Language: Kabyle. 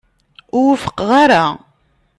Ur wufqeɣ ara.